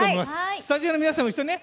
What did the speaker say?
スタジオの皆さんも一緒に。